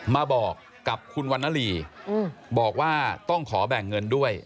มาบอกกับคุณวันนลีบอกว่าต้องขอแบ่งเงินด้วย